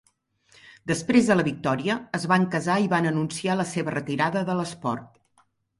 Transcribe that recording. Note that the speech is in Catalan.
Després de la victòria, es van casar i van anunciar la seva retirada de l'esport.